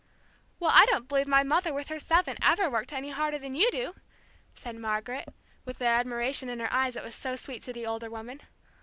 "Well, I don't believe my mother with her seven ever worked any harder than you do!" said Margaret, with the admiration in her eyes that was so sweet to the older woman.